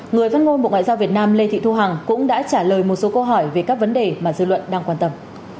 người phát ngôn bộ ngoại giao việt nam lê thị thu hằng cũng đã trả lời một số câu hỏi về các vấn đề mà dư luận đang quan tâm